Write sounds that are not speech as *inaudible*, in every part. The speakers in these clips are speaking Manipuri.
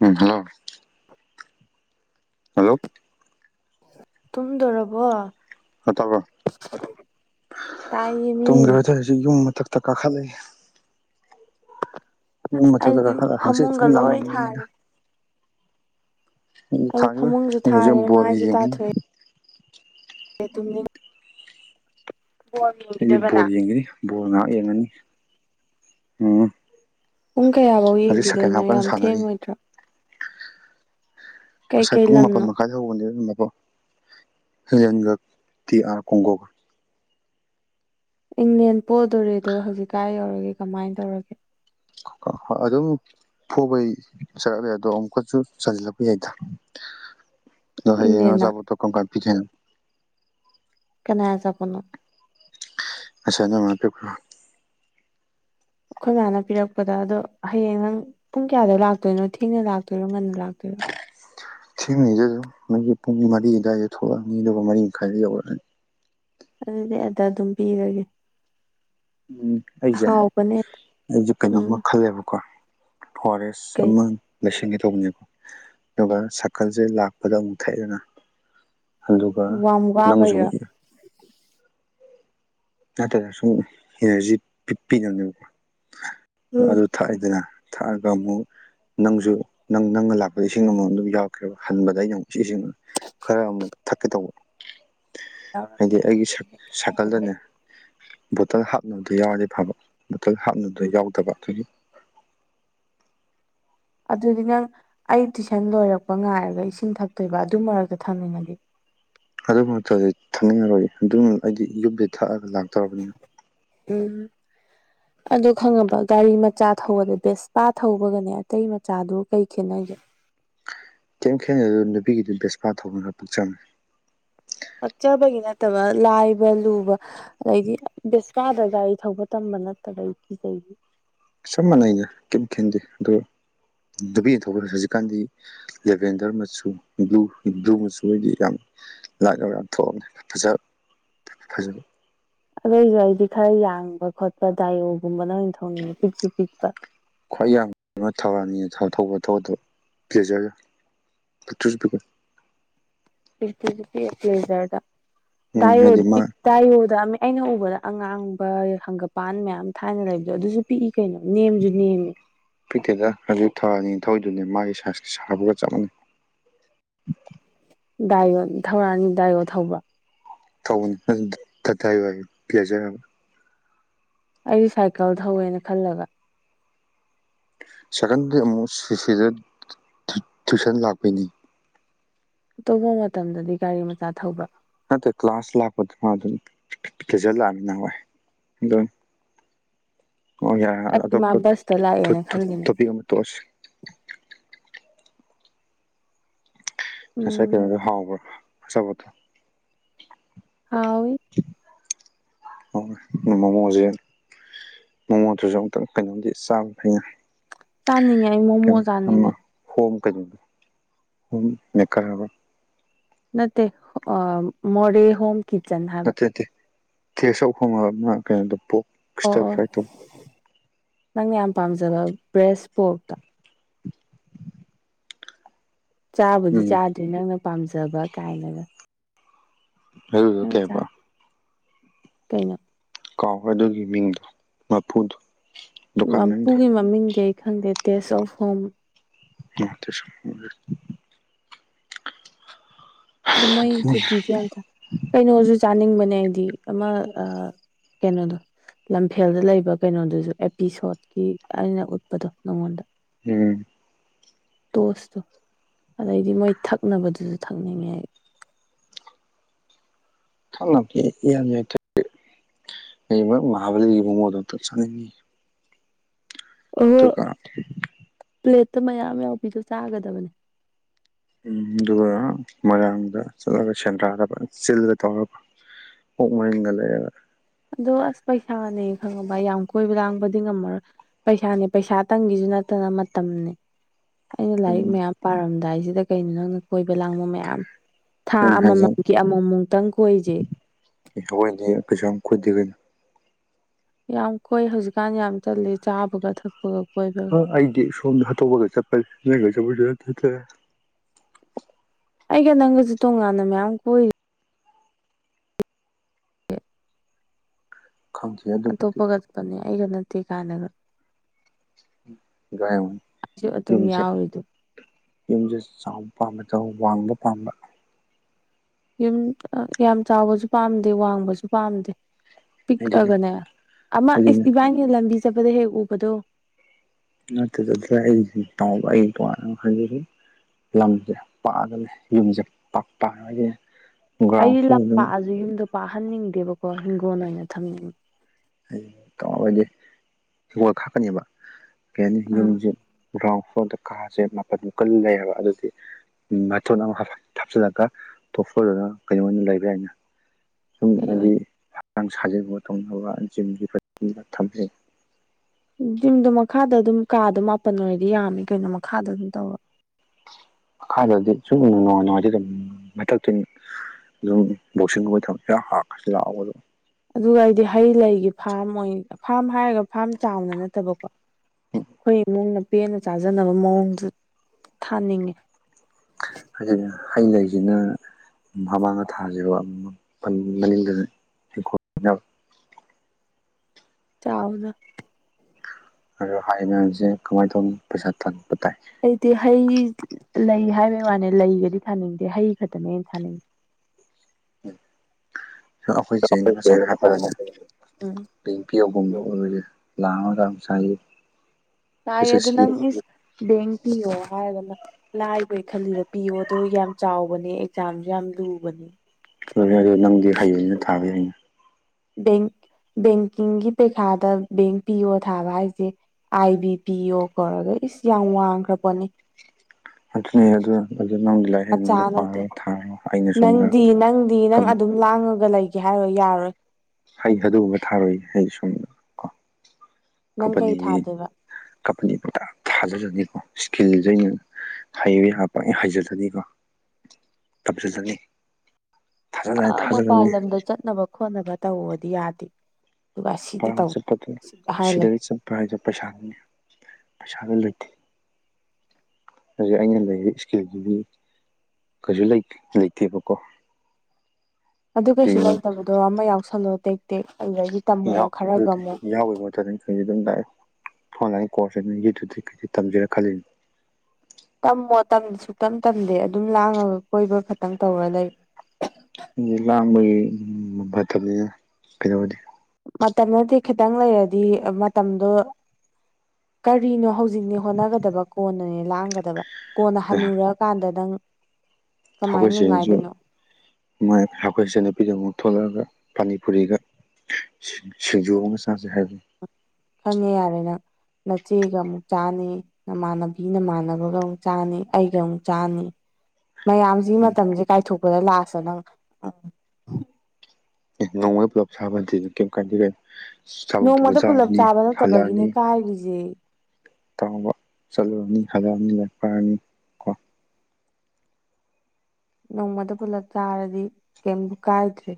ꯎꯝ ꯍꯜꯂꯣ *inaudible* *inaudible* ꯍꯜꯂꯣ ꯇꯨꯝꯗꯧꯔꯕꯣ ꯍꯂꯣ ꯇꯕ꯭ꯔꯥ ꯇꯥꯏꯌꯦ ꯃꯤ ꯇꯨꯡꯒꯤꯔꯣꯏꯗ ꯌꯨꯝ ꯃꯊꯛꯇ ꯀꯥꯈꯠꯂꯛꯏ ꯌꯨꯝ ꯃꯊꯛꯇ ꯑꯩꯗꯤ ꯀꯥꯈꯠꯂꯒꯥ ꯍꯪꯆꯤꯠ ꯁꯨꯝ ꯐꯃꯨꯡꯒ ꯂꯣꯏ ꯂꯥꯡꯉꯝꯕꯅꯤꯗ ꯊꯥꯔꯦ ꯑꯩ ꯊꯥꯒꯤꯔꯣꯏ ꯐꯃꯨꯡꯁꯨ ꯑꯩ ꯍꯧꯖꯤꯛ ꯊꯥꯔꯦ ꯑꯃꯨꯛ ꯕꯣꯜ ꯃꯥꯏꯁꯨ ꯌꯦꯡꯒꯤꯅꯤ ꯑꯦ ꯇꯨꯝꯗ꯭ꯔꯤꯕ ꯑꯩꯗꯤ ꯌꯦꯡꯈꯤꯗꯣꯏꯕ ꯕꯣꯜ ꯅꯪ ꯌꯦꯡꯒꯅꯤ ꯕꯣꯜ ꯉꯥꯏꯍꯥꯛ ꯌꯦꯡꯉꯅꯤ ꯎꯝ ꯄꯨꯡ ꯀꯌꯥꯐꯧ ꯍꯧꯖꯤꯛ ꯁꯦꯀꯦꯟ ꯌꯦꯡꯈꯤꯗꯣꯏꯅꯣ ꯍꯥꯞ ꯀꯟꯅ ꯌꯥꯝ ꯁꯥꯟꯅꯔꯤ ꯊꯦꯡꯉꯣꯏꯗ꯭ꯔꯣ ꯉꯁꯥꯏ ꯀꯩꯀꯩ ꯄꯨꯡ ꯂꯝꯅꯣ ꯃꯥꯄꯟ ꯃꯈꯥꯏꯗ ꯍꯧꯕꯅꯤꯕ ꯍꯌꯦꯡꯒꯗꯤ ꯑꯥꯔ ꯀꯣꯡꯒꯣꯒ ꯏꯪꯂꯦꯟ ꯄꯣꯗꯣꯔꯦꯗꯣ ꯍꯧꯖꯤꯛ ꯀꯥꯏ ꯌꯧꯔꯒꯦ ꯀꯃꯥꯏ ꯇꯧꯔꯒꯦ ꯑꯗꯨꯝ ꯐꯨꯕ ꯆꯠꯔꯛꯂꯦ ꯑꯗꯣ ꯑꯃꯨꯛꯀꯁꯨ ꯆꯜꯁꯤꯜꯂꯛꯄ ꯌꯥꯏꯗ *inaudible* *inaudible* ꯑꯗꯣ ꯍꯌꯦꯡ ꯏꯪꯂꯦꯟꯅ ꯑꯆꯥꯄꯣꯠꯇꯣ ꯀꯔꯝ ꯀꯥꯟ ꯄꯤꯖꯅꯤ ꯀꯅꯥꯏ ꯑꯆꯥꯄꯣꯠꯅꯣ *unintelligible* *inaudible* ꯑꯩꯈꯣꯏ ꯃꯥꯅ ꯄꯤꯔꯛꯄꯗ ꯑꯗꯣ ꯍꯌꯦꯡ ꯅꯪ ꯄꯨꯡ ꯀꯌꯥꯗꯣ ꯂꯥꯛꯇꯣꯏꯅꯣ ꯊꯦꯡꯅ ꯂꯥꯛꯇꯣꯏꯔꯣ ꯉꯟꯅ ꯂꯥꯛꯇꯣꯏꯔꯣ ꯊꯦꯡꯅꯤꯗ ꯑꯗꯨꯝ ꯃꯔꯤ ꯄꯨꯡ ꯃꯔꯤ ꯑꯗꯨꯋꯥꯏꯗ ꯊꯣꯛꯂꯛꯑꯅꯤ ꯑꯗꯨꯒ ꯃꯔꯤ ꯃꯈꯥꯏꯗ ꯌꯧꯔꯛꯑꯅꯤ ꯑꯗꯨꯗꯤ ꯑꯗ ꯑꯗꯨꯝ ꯄꯤꯔꯒꯦ ꯎꯝ ꯑꯩꯁꯦ ꯍꯥꯎꯕꯅꯦ ꯑꯩꯁꯦ ꯎꯝ ꯀꯩꯅꯣꯝꯃ ꯈꯜꯂꯦꯕꯀꯣ ꯐꯣꯔꯦꯁ ꯀꯩ ꯑꯃ ꯅꯩꯁꯤꯟꯒꯦ ꯇꯧꯕꯅꯦꯕ ꯑꯗꯨꯒ ꯁꯥꯏꯀꯜꯁꯦ ꯂꯥꯛꯄꯗ ꯑꯃꯨꯛ ꯊꯛꯑꯦꯅ ꯑꯗꯨꯒ ꯋꯥꯝ ꯅꯪꯁꯨ ꯋꯥꯕꯩꯔꯣ ꯉꯛꯏꯕ ꯅꯠꯇ꯭ꯔ ꯁꯨꯝ ꯏꯅꯔꯖꯤ ꯄꯤꯅꯕꯅꯦꯕ ꯎꯝ ꯑꯗꯨ ꯊꯛꯑꯦꯗꯅ ꯊꯛꯑꯒ ꯑꯃꯨꯛ ꯅꯪꯁꯨ ꯅꯪ ꯅꯪꯅ ꯂꯥꯛꯄꯗ ꯏꯁꯤꯡ ꯑꯃꯃꯝ ꯑꯗꯨꯝ ꯌꯥꯎꯔꯛꯀꯦꯕ ꯍꯟꯕꯗ ꯑꯩꯅ ꯑꯃꯨꯛ ꯏꯁꯤꯡ ꯈꯔ ꯑꯃꯨꯛ ꯊꯛꯀꯦꯇꯧꯕ ꯍꯥꯏꯗꯤ ꯌꯥꯎꯔꯛꯀꯦ ꯑꯩꯒꯤ ꯌꯥꯎꯔꯛꯀꯦ ꯍꯦꯛꯇ ꯀꯥꯎꯔꯣꯏ ꯁꯥꯏꯀꯜꯗꯅꯦ ꯕꯣꯇꯜ ꯍꯥꯞꯅꯕꯗꯨ ꯌꯥꯎꯔꯗꯤ ꯐꯕ ꯕꯣꯇꯜ ꯎꯝ ꯍꯥꯞꯅꯕ ꯌꯥꯎꯗꯕ ꯑꯗꯨꯒꯤ ꯑꯗꯨꯗꯤ ꯅꯪ ꯑꯩ ꯇꯨꯏꯁꯟ ꯂꯣꯏꯔꯛꯄ ꯉꯥꯏꯔꯒ ꯏꯁꯤꯡ ꯊꯛꯇꯣꯏꯕ ꯑꯗꯨꯏ ꯃꯔꯛꯇ ꯊꯝꯅꯤꯡꯉꯗꯤ ꯑꯗꯨꯏ ꯃꯇꯝꯗ ꯊꯛꯅꯤꯡꯉꯔꯣꯏ ꯑꯗꯨꯝ ꯑꯩꯗꯤ ꯌꯨꯝꯗꯩ ꯊꯛꯑꯒ ꯂꯥꯛꯇꯧꯔꯕꯅꯤꯅ ꯎꯝ *inaudible* *inaudible* ꯑꯗꯨ ꯈꯪꯉꯕ ꯒꯥꯔꯤ ꯃꯆꯥ ꯊꯧꯕꯗꯨ ꯕꯦꯁꯄꯥ ꯊꯧꯕꯒꯅꯦ ꯑꯇꯩ ꯃꯆꯥꯗꯨ ꯀꯩ ꯈꯦꯠꯅꯒꯦ ꯀꯩꯝ ꯈꯦꯠꯅꯗꯦ ꯑꯗꯨ ꯅꯨꯄꯤꯒꯤꯗꯤ ꯕꯦꯁꯄꯥ ꯊꯧꯕꯅ ꯄꯛꯆꯝꯅꯤ ꯍꯛꯆꯕꯒꯤ ꯅꯠꯇꯕ ꯂꯥꯏꯕ ꯂꯨꯕ ꯑꯗꯩꯗꯤ ꯕꯦꯁꯄꯥꯗ ꯒꯥꯔꯤ ꯊꯧꯕ ꯇꯝꯕ ꯅꯠꯇꯕ ꯑꯩ ꯀꯤꯖꯩ ꯆꯞ ꯃꯥꯟꯅꯩꯗ ꯀꯩꯝ ꯈꯦꯟꯅꯗꯦ ꯑꯗꯣ ꯅꯨꯄꯤꯅ ꯊꯧꯕ ꯍꯧꯖꯤꯛꯀꯥꯟꯗꯤ ꯂꯦꯚꯦꯟꯗꯔ ꯃꯆꯨ ꯕ꯭ꯂꯨ ꯕ꯭ꯂꯨ ꯃꯆꯨꯒꯤ ꯌꯥꯝ ꯂꯥꯏꯅꯕ ꯌꯥꯝ ꯊꯣꯛꯑꯅꯤ ꯐꯖ ꯐꯖꯕ *inaudible* ꯑꯗꯨ ꯒꯥꯔꯤꯗꯤ ꯈꯔ ꯌꯥꯡꯕ ꯈꯣꯠꯄ ꯗꯥꯏꯑꯣꯒꯨꯝꯕꯅ ꯊꯧꯅꯤꯡꯉꯦ ꯄꯤꯛꯁꯨ ꯄꯤꯛꯄ ꯈ꯭ꯋꯥꯏ ꯌꯥꯝ ꯊꯧꯔꯥꯅꯤꯅ ꯊꯧꯕ ꯊꯧꯕꯗꯣ ꯄ꯭ꯂꯦꯖꯔ ꯄꯤꯛꯇ꯭ꯔꯨꯁꯨ ꯄꯤꯛꯄ ꯄꯤꯛꯇ꯭ꯔꯨꯁꯨ ꯄꯤꯛꯏ ꯄ꯭ꯂꯦꯖꯔꯗ ꯎꯝ ꯍꯥꯏꯗꯤ ꯗꯥꯏꯌꯣꯗꯤ ꯃꯥ ꯄꯤꯛ ꯗꯥꯏꯌꯣꯗ ꯑꯃ ꯑꯩꯅ ꯎꯕꯗ ꯑꯉꯥꯡꯕ ꯍꯪꯒꯄꯥꯟ ꯃꯌꯥꯝ ꯊꯥꯏꯅ ꯂꯩꯕꯗꯣ ꯑꯗꯨꯁꯨ ꯄꯤꯛꯏ ꯀꯩꯅꯣ ꯅꯦꯝꯁꯨ ꯅꯦꯝꯃꯤ ꯄꯤꯛꯇꯦꯗ ꯍꯧꯖꯤꯛ ꯊꯧꯔꯅꯤ ꯊꯧꯏꯗꯨꯅꯦ ꯃꯥꯒꯤ ꯁꯥꯏꯁꯇ ꯁꯥꯕꯒ ꯆꯞ ꯃꯥꯟꯅꯩ ꯗꯥꯏꯌꯣ ꯊꯧꯔꯛꯑꯅꯤ ꯗꯥꯏꯌꯣ ꯊꯧꯕ꯭ꯔꯥ꯫ ꯊꯧꯑꯎꯏ ꯅꯪꯗꯤ ꯊ ꯊꯥꯏ‌ꯋꯥꯏ ꯀꯦꯖꯔ ꯑꯃꯥ ꯑꯩꯗꯤ ꯁꯥꯏꯀꯜ ꯊꯧꯋꯦꯅ ꯈꯜꯂꯒ꯫ ꯁꯦꯀꯟꯗꯤ ꯑꯃꯨꯛ ꯁꯤꯁꯤꯗ ꯇ꯭ꯨꯏꯁꯟ ꯂꯥꯛꯄꯩꯅꯤ꯫ ꯑꯇꯣꯞꯄ ꯃꯇꯝꯗꯗꯤ ꯒꯥꯔꯤ ꯃꯆꯥ ꯊꯧꯕꯔ꯫ ꯅꯠꯇꯦ ꯀ꯭ꯂꯥꯁ ꯂꯥꯛꯄꯗꯨꯅ ꯑꯗꯨꯝ ꯀꯤꯖꯜ ꯅꯪꯑꯣꯏ ꯑꯗꯨ ꯑꯣ ꯌꯥꯔꯦ ꯑꯩ ꯃꯥ ꯑꯇꯣꯞꯄ ꯕꯁꯇ ꯂꯥꯛꯑꯦꯅ ꯈꯜꯂꯤꯅꯦ ꯇꯣꯇꯣ ꯑꯃ ꯇꯣꯛꯑꯁꯤ ꯉꯁꯥꯏ ꯎꯝ ꯀꯅꯣꯗꯣ ꯍꯥꯎꯕ꯭ꯔ ꯑꯆꯥꯄꯣꯠꯇꯣ꯫ ꯍꯥꯎꯏ꯫ *unintelligible* ꯃꯣꯃꯣꯁꯦ ꯃꯣꯃꯣ ꯅꯠꯇꯔꯁꯨ ꯑꯨꯛꯇꯪ ꯀꯩꯅꯣꯝꯗꯤ ꯆꯥꯕ ꯐꯩꯅ꯫ ꯆꯥꯅꯤꯡꯉꯦ ꯑꯩ ꯃꯣꯃꯣ ꯀꯩꯅꯣ ꯑꯃ ꯆꯥꯅꯤꯡꯉꯦ ꯍꯣꯡ ꯀꯅꯧ ꯍꯣꯡ ꯃꯦꯀꯔꯕ ꯅꯠꯇꯦ ꯑ ꯃꯣꯔꯦ ꯍꯣꯝ꯫ ꯀꯤꯠꯆꯟ ꯍꯥꯏꯕ ꯅꯠꯇꯦ ꯅꯠꯇꯦ ꯇꯦꯛꯁꯧ ꯐꯪꯉꯕ ꯀꯩꯅꯣꯗꯣ ꯄꯣꯛ ꯑꯣ ꯏꯁꯇꯔ ꯑꯣ ꯐ꯭ꯔꯥꯏ ꯇꯧ ꯅꯪꯅ ꯌꯥꯝ ꯄꯥꯝꯖꯕ ꯕ꯭ꯔꯦꯁꯄꯣꯔꯇꯣ꯫ ꯆꯥꯕꯨꯗꯤ ꯎꯝ ꯆꯥꯗꯔꯤ ꯅꯪꯅ ꯄꯥꯝꯖꯕ ꯀꯥꯏꯅꯒ꯫ ꯑꯗꯨꯗꯣ *unintelligible* ꯀꯩ ꯑꯆꯥ ꯍꯥꯏꯕ ꯀꯩꯩꯅꯣ ꯀꯥꯎꯕꯔ ꯑꯗꯨꯒꯤ ꯃꯤꯡꯗꯣ ꯃꯄꯨꯗꯣ꯫ ꯗꯨꯀꯥꯟ ꯃꯃꯤꯡꯗꯣ ꯃꯄꯨꯒꯤ ꯃꯃꯤꯡꯗꯤ ꯑꯩ ꯈꯪꯗꯦ ꯇꯦꯁ ꯑꯣꯐ ꯍꯣꯝ꯫ ꯑꯣ ꯇꯦꯁ ꯑꯣꯞ ꯍꯣꯝ꯫ ꯑꯗꯣ ꯃꯣꯏ ꯁꯇꯤꯗꯤ ꯌꯥꯝ ꯀꯩꯅꯣꯁꯨ ꯆꯥꯅꯤꯡꯕꯅꯦ ꯑꯩꯗꯤ ꯑꯃ ꯑ ꯀꯩꯅꯣꯗꯣ꯫ ꯂꯝꯐꯦꯜꯗ ꯂꯩꯕ ꯀꯩꯅꯣꯗꯨꯁꯨ ꯑꯦꯄꯤꯁꯣꯠꯀꯤ ꯑꯩꯅ ꯎꯠꯄꯗꯣ ꯅꯪꯉꯣꯟꯗ꯫ ꯎꯝ꯫ ꯇꯣꯁꯇꯣ ꯑꯗꯩꯗꯤ ꯃꯣꯏ ꯊꯛꯅꯕꯗꯨꯁꯨ ꯊꯛꯅꯤꯡꯉꯦ ꯑꯩ꯫ ꯊꯛꯅꯕꯗꯤ ꯏꯌꯟ ꯌꯥꯏꯊꯠ꯫ ꯀꯩꯕ ꯃꯍꯥꯕꯂꯂꯤꯒꯤ ꯃꯨꯝꯃꯣ ꯑꯗꯨ ꯆꯅꯤꯡꯉꯤ꯫ ꯑꯣꯍꯣ ꯄ꯭ꯂꯦꯠꯇ ꯃꯌꯥꯝ ꯌꯥꯎꯕꯤꯗꯣ ꯆꯥꯒꯗꯕꯅꯦ꯫ ꯑꯗꯨꯒ ꯃꯣꯏꯔꯥꯡꯗ ꯆꯠꯂꯒ ꯁꯦꯟꯗ꯭ꯔꯥꯗ ꯆꯤꯜꯂ ꯇꯧꯔꯕ꯫ ꯑꯣꯛ ꯃꯔꯤꯟꯒ ꯂꯩꯔꯒ꯫ ꯑꯗꯣ ꯑꯁ ꯄꯩꯁꯥꯅꯦ ꯈꯪꯉꯕ ꯌꯥꯝ ꯀꯣꯏꯕ ꯂꯥꯡꯕꯗꯤ ꯉꯝꯃꯔꯣꯏ꯫ ꯄꯩꯁꯥꯅꯦ ꯄꯩꯁꯥ ꯇꯪꯒꯤꯁꯨ ꯅꯠꯇꯅ ꯃꯇꯝꯅꯦ꯫ ꯑꯩꯅ ꯂꯥꯏꯔꯤꯛ ꯎꯝ ꯃꯌꯥꯝ ꯄꯥꯔꯝꯗꯥꯏꯁꯤꯗ ꯀꯩꯅꯣ ꯅꯪꯅ꯫ ꯀꯣꯏꯕ ꯂꯥꯡꯕ ꯃꯌꯥꯝ ꯊꯥ ꯑꯩꯅ ꯍꯥꯏꯖꯅꯤ ꯑꯃꯃꯝꯒꯤ ꯑꯃꯨꯛꯃꯨꯛꯇꯪ ꯀꯣꯏꯁꯦ꯫ ꯑꯦ ꯍꯣꯏꯅꯦ ꯀꯩꯁꯨ ꯌꯥꯝ ꯀꯣꯏꯗꯦ ꯀꯩꯅꯣ꯫ ꯌꯥꯝ ꯀꯣꯏ ꯍꯧꯖꯤꯛꯀꯥꯟ ꯌꯥꯝ ꯆꯠꯂꯦ ꯆꯥꯕꯒ ꯊꯛꯄꯒ ꯀꯣꯏꯕ꯫ ꯑꯩꯗꯤ ꯁꯣꯝꯗ ꯍꯥꯇꯣꯛꯑꯒ ꯆꯠꯄꯅꯤ ꯅꯪꯏꯒ ꯆꯠꯄꯁꯨ ꯅꯥꯠꯁꯨ ꯅꯠꯇꯅ꯫ ꯑꯩꯒ ꯅꯪꯒꯁꯨ ꯇꯣꯉꯥꯟꯅ ꯃꯌꯥꯝ ꯀꯣꯏꯔꯤ ꯈꯪꯗꯦ ꯑꯗꯨꯕꯨꯗꯤ ꯑꯇꯣꯞꯄꯒꯄꯅꯤ ꯑꯩꯒ ꯅꯠꯇꯦ ꯀꯥꯏꯅꯒ꯫ *unintelligible* ꯑꯗꯨꯝ ꯌꯨꯝꯁꯦ ꯌꯥꯎꯔꯤꯗꯨ ꯌꯨꯝꯁꯦ ꯆꯥꯎ ꯄꯥꯝꯕꯔ ꯋꯥꯡꯕ ꯄꯥꯝꯕꯔ ꯌꯨꯝ ꯑ ꯌꯥꯝ ꯆꯥꯎꯕꯁꯨ ꯄꯥꯝꯗꯦ ꯋꯥꯡꯕꯁꯨ ꯄꯥꯝꯗꯦ꯫ ꯑꯩꯗꯤꯅꯦ ꯄꯤꯛꯑꯒꯅꯦ ꯑꯃ ꯏꯁ ꯍꯥꯏꯗꯤꯅꯦ ꯏꯕꯥꯅꯤ ꯂꯝꯕꯤ ꯆꯠꯄꯗ ꯍꯦꯛ ꯎꯕꯗꯣ꯫ ꯅꯥꯠꯇꯦꯗ *unintelligible* ꯂꯝꯁꯦ ꯄꯥꯛꯑꯒꯅꯦ ꯌꯨꯝꯁꯦ ꯄꯥꯛ *unintelligible* ꯒ꯭ꯔꯥꯎꯟ ꯑꯩꯗꯤ ꯂꯝ ꯐ꯭ꯂꯣꯔ ꯑꯗꯨꯝ ꯄꯥꯛꯑꯁꯨ ꯌꯨꯝꯗꯣ ꯄꯥꯛꯍꯟꯅꯤꯡꯗꯦꯕꯀꯣ ꯍꯤꯡꯒꯣꯜ ꯑꯣꯏꯅ ꯊꯝꯅꯤꯡꯏ ꯑꯩꯗꯤ ꯍꯤꯡꯒꯣꯜ ꯈꯥꯛꯀꯅꯤꯕ ꯀꯩ ꯍꯥꯏꯅꯤ ꯑꯥ ꯌꯨꯝꯁꯨ ꯒ꯭ꯔꯥꯎꯟ ꯐ꯭ꯂꯣꯔꯗ ꯈꯥꯛꯑꯁꯦ ꯃꯥꯄꯟ ꯃꯨꯀꯥ ꯂꯩꯔꯕ ꯑꯗꯨꯗꯤ ꯃꯊꯣꯟ ꯑꯃ ꯍꯥꯞꯆꯜꯂꯒ ꯇꯣꯞ ꯐ꯭ꯂꯣꯜꯗꯅ ꯀꯩꯅꯣ ꯑꯣꯏꯅꯥ ꯂꯩꯕ ꯌꯥꯏꯅ ꯁꯨꯝ ꯀꯩ ꯑꯣꯏ ꯅꯒꯤ ꯍꯛꯆꯥꯡ ꯁꯖꯦꯜꯒꯨꯝꯕ ꯇꯧꯅꯕ ꯖꯤꯝꯒꯤ ꯀꯩꯒꯤ ꯊꯝ ꯌꯥꯏ ꯖꯤꯝꯗꯣ ꯃꯈꯥꯗ ꯑꯗꯨꯝ ꯀꯥꯗꯣ ꯃꯥꯄꯟ ꯑꯣꯏꯔꯗꯤ ꯌꯥꯝꯃꯤ ꯀꯩꯅꯣ ꯃꯈꯥꯗ ꯑꯗꯨꯝ ꯇꯧꯔꯣ ꯃꯈꯥꯗꯗꯤ *unintelligible* ꯃꯊꯛꯇ ꯑꯗꯨꯝ ꯕꯨꯁꯤꯡꯒꯨꯝꯕꯩ ꯊꯃꯗꯩꯩ ꯂꯥꯎꯕꯗ ꯑꯗꯨꯒ ꯑꯩꯗꯤ ꯍꯩ ꯂꯩꯒꯤ ꯐꯥꯔꯝ ꯑꯣꯏ ꯐꯥꯔꯝ ꯍꯥꯏꯔꯒ ꯐꯥꯔꯝ ꯆꯥꯎꯅ ꯅꯠꯇꯕꯀꯣ ꯑꯩꯈꯣꯏ ꯏꯃꯨꯡꯅ ꯄꯦꯟꯅ ꯆꯥꯖꯅꯕ ꯃꯑꯣꯡꯗ ꯊꯥꯅꯤꯡꯉꯤ ꯑꯗꯨꯅꯦ ꯍꯩ ꯂꯩ ꯁꯤꯅ ꯃꯃꯥꯡꯗ ꯊꯥꯖꯦꯕ ꯃꯅꯤꯡꯗꯁꯨ ꯏꯪꯈꯣꯜ ꯆꯥꯎꯅ ꯑꯗꯣ ꯍꯥꯏꯔꯤ ꯃꯌꯥꯝꯁꯦ ꯀꯃꯥꯏ ꯇꯧꯅꯤ ꯄꯩꯁꯥ ꯇꯥꯟꯕ ꯇꯥꯏ ꯑꯩꯗꯤ ꯍꯩ ꯂꯩ ꯍꯥꯏꯕꯩ ꯋꯥꯅꯦ ꯂꯩꯒꯗꯤ ꯊꯥꯅꯤꯡꯗꯦ ꯍꯩ ꯈꯛꯇꯅ ꯑꯩꯅꯥ ꯊꯥꯅꯤꯡꯒꯤꯁꯦ ꯑꯗꯣ ꯑꯩꯈꯣꯏ ꯆꯦꯅ ꯉꯁꯥꯏ ꯍꯥꯄꯗꯅꯦ ꯎꯝ ꯕꯦꯟꯛ ꯄꯤ ꯑꯣ ꯒꯨꯝꯕ ꯑꯣꯏꯔꯗꯤ ꯂꯥꯛ ꯑꯃꯥ ꯑꯗꯥꯏ ꯆꯥꯏꯌꯦ ꯆꯥꯏꯌꯦ ꯑꯗꯨ ꯅꯪ ꯏꯁ ꯕꯦꯟꯀ ꯄꯤ ꯑꯣ ꯍꯥꯏꯔꯒ ꯂꯥꯏꯕꯣꯏ ꯈꯜꯂꯤꯔꯣ ꯄꯤ ꯑꯣ ꯗꯣ ꯌꯥꯝ ꯆꯥꯎꯕꯅꯦ ꯑꯦꯛꯖꯥꯝꯁꯨ ꯌꯥꯝ ꯂꯨꯕꯅꯦ ꯑꯗꯨꯅꯦ ꯑꯗꯣ ꯅꯪꯗꯤ ꯍꯩꯕꯅꯤꯅꯥ ꯊꯥꯕ ꯌꯥꯏꯅ ꯕꯦꯟꯛ ꯕꯦꯟꯛꯀꯤꯡꯒꯤ ꯄꯩꯈꯥꯗ ꯕꯦꯟꯛ ꯄꯤ ꯑꯣ ꯊꯥꯕ ꯍꯥꯏꯁꯦ ꯑꯥꯏ ꯕꯤ ꯄꯤ ꯑꯣ ꯀꯧꯔꯒ ꯏꯁ ꯌꯥꯝ ꯋꯥꯡꯈ꯭ꯔ ꯄꯣꯠꯅꯤ ꯑꯗꯨꯅꯤ ꯑꯗꯨ ꯑꯗꯨ ꯅꯪꯗꯤ ꯂꯥꯏꯔꯤꯛ ꯃꯆꯥ ꯍꯩꯕꯅꯤꯅꯥ ꯅꯠꯇꯦ ꯄꯥꯔꯥ ꯊꯥꯔꯣ ꯑꯩꯅ ꯁꯣꯝꯗ ꯅꯪꯗꯤ ꯅꯪꯗꯤ ꯀꯝ ꯅꯪ ꯑꯗꯨꯝ ꯂꯥꯡꯉꯒ ꯂꯩꯒꯦ ꯍꯥꯏꯔꯣ ꯌꯥꯔꯣꯏ ꯑꯩꯗꯤ ꯑꯗꯨꯒꯝꯕ ꯊꯥꯔꯣꯏ ꯑꯩ ꯁꯨꯝ ꯀꯣ ꯅꯪ ꯀꯩ ꯀꯝꯄꯅꯤꯒꯤ ꯊꯥꯗꯣꯏꯕ ꯀꯝꯄꯅꯤ *unintelligible* ꯊꯥꯖꯜꯂꯅꯤꯀꯣ ꯏꯁꯀꯤꯜꯁꯦ ꯑꯩꯅ ꯍꯩꯕ ꯌꯥꯕ ꯄꯥꯪꯍꯩ ꯍꯩꯖꯜꯂꯅꯤꯀꯣ ꯇꯝꯖꯜꯂꯅꯤ ꯑ ꯃꯄꯥꯥꯟ ꯂꯝꯗ ꯆꯠꯅꯕ ꯈꯣꯠꯅꯕ ꯇꯧꯑꯦꯗꯤ ꯌꯥꯗꯦ ꯑꯗꯨꯒ ꯃꯄꯥꯜ ꯑꯁꯤꯗ ꯂꯝ ꯇꯧ ꯆꯠꯄꯗꯨꯅ ꯁꯤꯗ ꯍꯥꯏ ꯂꯩ ꯁꯤꯗꯒꯤ ꯆꯠꯄ ꯍꯥꯏꯗꯨ ꯄꯩꯁꯥꯅꯤꯅꯦ ꯄꯩꯁꯥꯗꯨ ꯂꯩꯇꯦ ꯍꯧꯖꯤꯛ ꯑꯩꯅ ꯂꯩꯔꯤ ꯏꯁꯀꯤꯜꯗꯨꯗꯤ ꯀꯩꯁꯨ ꯂꯩꯇꯦ ꯂꯩꯇꯦꯕꯀꯣ ꯑꯗꯨ ꯀꯩꯁꯨ ꯌꯦꯡꯉꯣ ꯂꯩꯇꯕꯗꯣ ꯑꯃ ꯌꯥꯎꯁꯜꯂꯣ ꯇꯦꯛ ꯇꯦꯛ ꯑꯗꯨꯗꯩꯩ ꯌꯥꯎ ꯌꯥꯎꯕꯩ ꯃꯍꯨꯠꯇꯥ ꯑꯗꯨꯝ ꯑꯩ ꯑꯗꯨꯝ ꯂꯥꯛꯑ ꯑꯣꯟꯂꯥꯏꯟ ꯀꯣꯔꯁ ꯑꯗꯨ ꯌꯨꯇꯨꯕꯇꯒꯤ ꯈꯖꯤꯛ ꯇꯝꯁꯤꯔ ꯈꯜꯂꯤꯅꯤ ꯇꯝꯃꯣ ꯇꯝꯗꯤ ꯁꯨꯛꯇꯝ ꯇꯝꯗꯦ ꯑꯗꯨꯝ ꯂꯥꯡꯉꯒ ꯀꯣꯏꯕ ꯈꯛꯇꯪ ꯇꯧꯔ ꯂꯩ ꯍꯧꯖꯤꯛ ꯇꯤ ꯂꯥꯡꯕꯒꯤ ꯃꯇꯝꯅꯤꯅ ꯀꯩꯗꯧꯔꯨꯅꯤ ꯃꯇꯝ ꯅꯥꯇꯦ ꯈꯤꯇꯪ ꯂꯩꯔꯥꯗꯤ ꯃꯥꯇꯝꯗꯣ ꯀꯔꯤꯅꯣ ꯍꯧꯖꯤꯛꯅꯦ ꯍꯣꯠꯅꯒꯗꯕ ꯀꯣꯟꯅꯅꯦ ꯂꯥꯡꯒꯗꯕ ꯀꯣꯟꯅ ꯍꯟꯅꯨꯔꯀꯥꯟꯗ ꯅꯪ ꯑꯩꯈꯣꯏ ꯀꯃꯥꯏꯅ ꯆꯦꯟꯁꯨ ꯅꯨꯡꯉꯥꯏꯗꯣꯏꯅꯣ ꯃꯣꯏ ꯑꯩꯈꯣꯏ ꯏꯆꯟꯅꯨꯄꯤꯗ ꯑꯃꯨꯛ ꯊꯣꯛꯂꯛꯑꯒ ꯄꯅꯤꯄꯨꯔꯤꯒ ꯁꯤꯡꯖꯨ ꯑꯥꯃ ꯆꯁꯦ ꯍꯥꯏꯕꯅꯤ ꯈꯪꯉꯦ ꯌꯥꯔꯦ ꯅꯪ ꯅꯆꯦꯒ ꯑꯃꯨꯛ ꯆꯥꯅꯤ ꯅꯃꯥꯟꯅꯕꯤ ꯅꯃꯥꯟꯅꯕꯒ ꯑꯃꯨꯛ ꯆꯥꯅꯤ ꯑꯩꯒ ꯑꯃꯨꯛ ꯆꯥꯅꯤ ꯃꯌꯥꯝꯁꯤꯒꯤ ꯃꯇꯝꯁꯦ ꯀꯥꯏꯊꯣꯛꯄꯗ ꯂꯥꯁꯇ꯭ ꯅꯪ ꯅꯣꯡꯃꯗ ꯄꯨꯂꯞ ꯆꯥꯕꯥ ꯅꯇꯦ ꯀꯦꯝ ꯀꯥꯏꯗꯦ ꯀꯩꯅꯣ ꯆꯥꯕꯝ ꯊꯣꯀꯞ ꯆꯥꯕꯅꯤ ꯍꯜꯂꯛꯑꯅꯤ ꯄꯥꯏꯔꯤꯖꯦ ꯇꯥꯎꯧꯕ ꯆꯠꯂꯨꯔꯨꯔꯅꯤ ꯍꯜꯂꯛꯑꯅꯤ ꯂꯥꯏꯔꯤꯛ ꯄꯥꯔꯅꯤ ꯀꯣ ꯅꯣꯡꯃꯗ ꯄꯨꯜꯂꯞ ꯇꯥꯔꯗꯤ ꯀꯩꯕꯨ ꯀꯥꯏꯗ꯭ꯔꯦ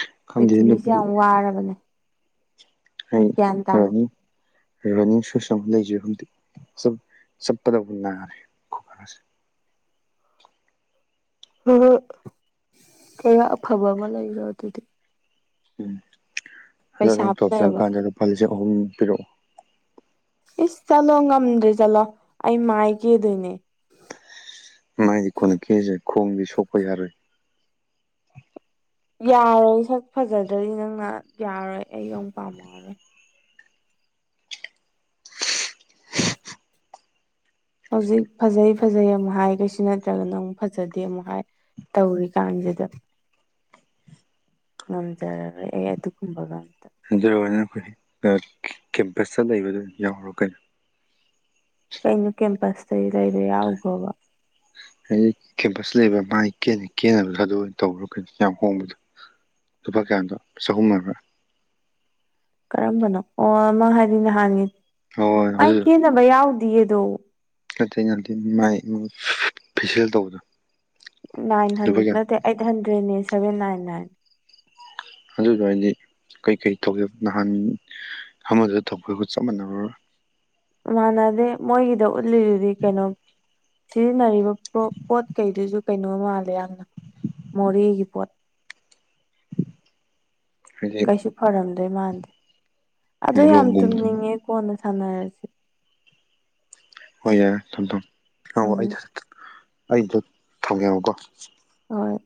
*unintelligible* *inaudible* ꯄꯤꯔꯤꯊꯤꯕꯤꯁꯦ ꯑꯗꯨꯕꯨꯗꯤ ꯌꯥꯝ ꯋꯥꯔꯕꯅꯦ ꯑꯩ ꯒ꯭ꯌꯥꯟ ꯇꯥꯎ ꯍꯅꯤ ꯔꯟꯅꯤꯡ ꯁꯨꯁ ꯑꯃ ꯂꯩꯖꯩ ꯍꯧꯛ ꯆꯠꯄꯗꯕꯨ ꯅꯥꯔꯦ ꯈꯨꯒꯥꯁꯦ ꯍꯣꯏ ꯀꯌꯥ ꯑꯐꯕ ꯑꯃ ꯂꯩꯔꯣ ꯑꯗꯨꯗꯤ ꯎꯝ ꯍꯗ ꯄꯩꯁꯥ ꯅꯪ ꯇꯣꯞ ꯂꯩꯔꯕ ꯆꯪꯀꯥꯟꯗ ꯂꯨꯄꯥ ꯂꯤꯁꯤꯡ ꯑꯍꯨꯝ ꯄꯤꯔꯛꯑꯣ ꯏꯁ ꯆꯠꯂꯣ ꯉꯝꯗ꯭ꯔꯦ ꯆꯠꯂꯣ ꯑꯩ ꯃꯥꯏ ꯀꯦꯗꯣꯏꯅꯦ ꯃꯥꯏꯗꯤ ꯀꯅ ꯀꯦꯁꯦ ꯈꯣꯡꯕꯤ ꯁꯐꯩꯔ ꯌꯥꯔꯣꯏ ꯁꯛ ꯐꯖꯗ꯭ꯔꯗꯤ ꯅꯪꯅ ꯌꯥꯔꯣꯏ ꯑꯩ ꯑꯃ ꯄꯥꯝꯃꯔꯣꯏ ꯍꯧꯖꯤꯛ ꯐꯖꯩ ꯐꯖꯩ ꯑꯃꯨꯛ ꯍꯥꯏ ꯀꯩꯁꯨ ꯅꯠꯇ꯭ꯔꯒꯅꯪ ꯑꯃꯨꯛ ꯐꯖꯗꯦ ꯑꯃꯨꯛ ꯍꯥꯏ ꯇꯧꯔꯤꯀꯥꯟꯁꯤꯗ ꯉꯝꯖꯔꯔꯣꯏ ꯑꯩ ꯑꯗꯨꯒꯨꯝꯕꯒ ꯑꯝꯇ ꯑꯗꯨꯅ ꯑꯩꯈꯣꯏ ꯀꯦꯝꯄꯁꯇ ꯂꯩꯕꯗꯨ ꯌꯥꯎꯔꯣ ꯀꯩꯅꯣ ꯀꯩꯅꯣ ꯀꯦꯝꯄꯁꯇꯒꯤ ꯂꯩꯔꯦ ꯌꯥꯎꯈꯣꯕ ꯑꯩ ꯀꯦꯝꯄꯁ ꯂꯩꯕ ꯃꯥꯥꯏ ꯀꯦꯕꯗ ꯑꯗꯨ ꯑꯣꯏꯅ ꯇꯧꯕ ꯌꯥꯝ ꯍꯣꯡꯕꯗꯣ ꯂꯨꯕ ꯀꯥꯟꯗꯣ ꯆꯍꯨꯝ ꯑꯃꯕꯥ ꯀꯔꯝꯕꯅꯣ ꯑꯣ ꯃꯥ ꯍꯥꯏꯗꯤ ꯅꯍꯥꯟꯒꯤ ꯍꯣꯏ ꯍꯣꯏ ꯑꯩ ꯀꯦꯅꯕ ꯌꯥꯎꯗ ꯑꯗꯣ ꯉꯇꯩ ꯉꯇꯦ ꯃꯥꯏ ꯐꯦꯁꯤꯦꯜ ꯇꯧꯕꯗꯣ ꯅꯥꯏꯟ ꯍꯟ ꯂꯨꯄꯥ ꯀꯌꯥ ꯅꯠꯇꯦ ꯑꯩꯠ ꯍꯟꯗ꯭ꯔꯦꯠꯅꯦ ꯁꯚꯦꯟ ꯅꯥꯏꯟ ꯅꯥꯏꯟ ꯑꯗꯨꯗꯨ ꯍꯥꯏꯗꯤ ꯀꯔꯤꯀꯩ ꯇꯧꯒꯦ ꯅꯍꯥꯟ ꯑꯃꯗꯨꯗ ꯇꯧꯕꯒ ꯆꯞ ꯃꯥꯟꯅꯔꯣꯏ ꯃꯥꯟꯅꯗꯦ ꯃꯣꯏꯒꯤꯗ ꯎꯠꯂꯤꯗꯨꯗꯤ ꯀꯩꯅꯣ ꯁꯤꯖꯤꯟꯅꯔꯤꯕ ꯄ ꯄꯣꯠ ꯀꯩꯗꯨꯁꯨ ꯀꯩꯅꯣ ꯃꯥꯜꯂꯦ ꯌꯥꯝꯅ ꯃꯣꯔꯦꯒꯤ ꯄꯣꯠ ꯍꯥꯏꯗꯤ ꯀꯩꯁꯨ ꯐꯔꯝꯗꯣꯏ ꯃꯥꯟꯗꯦ ꯑꯗꯣ ꯌꯥꯝ ꯃꯣꯂꯣꯝꯒꯨꯝꯕꯗꯣ ꯇꯨꯝꯅꯤꯡꯉꯦ ꯀꯣꯟꯅ ꯁꯥꯟꯅꯔꯁꯤ ꯍꯣꯏ ꯌꯥꯔꯦ ꯊꯝꯃꯦ ꯊꯝꯃꯦ ꯍ ꯎꯝ ꯑꯩ ꯑꯩ ꯊꯝꯒꯦꯣꯀꯣ ꯍꯣꯏ